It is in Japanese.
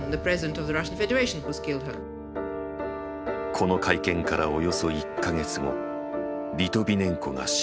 この会見からおよそ１か月後リトビネンコが死亡。